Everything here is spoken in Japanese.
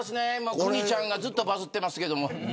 邦ちゃんがずっとバズってますけど。